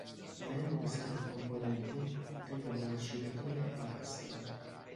Unendo queste tre componenti otteniamo l'oscillatore Armstrong.